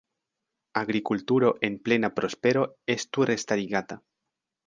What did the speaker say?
Agrikulturo en plena prospero estu restarigata.